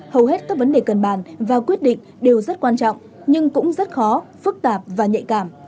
hầu hết các vấn đề cần bàn và quyết định đều rất quan trọng nhưng cũng rất khó phức tạp và nhạy cảm